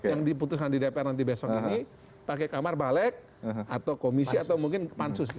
yang diputuskan di dpr nanti besok ini pakai kamar balik atau komisi atau mungkin pansus